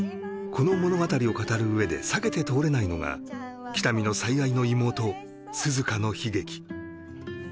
この物語を語る上で避けて通れないのが喜多見の最愛の妹涼香の悲劇